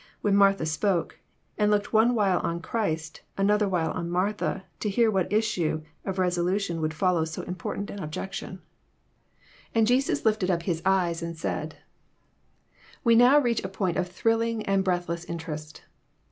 en Martha spoke, and looked one while on Christ, another while on Martha, to hear what issue of reso lution would follow so important an objection.' n JOHN, CHAP. XI. 285 {^And Jesus lifted up his eyes, and said,"] We now reach a point of thrilling and breathless interest.